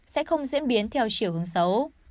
sẽ không diễn biến theo chiều hướng xấu